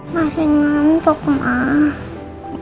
masih ngantuk nak